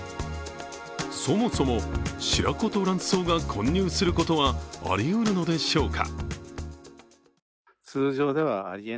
そもそも、白子と卵巣が混入することはありうるのでしょうか。